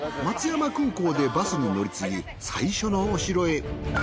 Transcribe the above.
松山空港でバスに乗り継ぎ最初のお城へ。